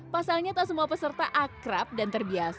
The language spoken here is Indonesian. pasalnya tak semua peserta akrab dan terbiasa